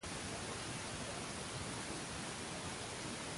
Las islas se encuentran actualmente deshabitadas.